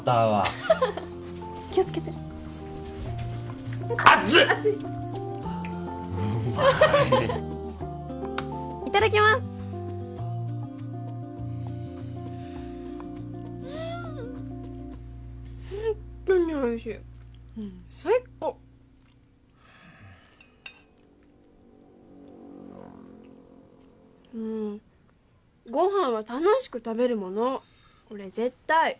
はぁもご飯は楽しく食べるものこれ絶対！